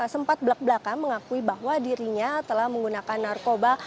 sempat belak belakan mengakui bahwa dirinya telah menggunakan narkoba